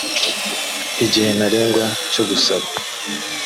igihe ntarengwa cyo gusaba